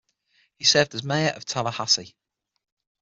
He served as Mayor of Tallahassee.